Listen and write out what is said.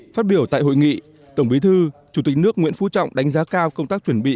phát biểu tại hội nghị tổng bí thư chủ tịch nước nguyễn phú trọng đánh giá cao công tác chuẩn bị